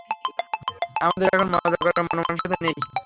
আমাদের এখন মজা করার মনমানসিকতা নেই।